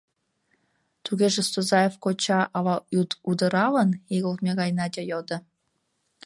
— Тугеже Стозаев коча ала удыралын? — игылтме гай Надя йодо.